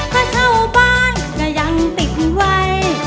ถ้าเช่าบ้านก็ยังติดไว้